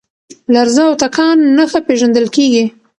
لرزه او تکان نښه پېژندل کېږي.